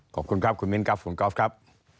ขอบคุณครับคุณมิ้นครับคุณก๊อฟครับ